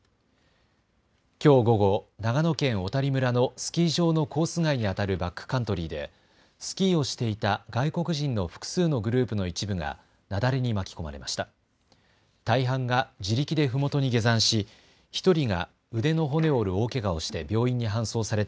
きょう午後、長野県小谷村のスキー場のコース外にあたるバックカントリーでスキーをしていた外国人の複数のグループの一部が雪崩に巻き込まれました。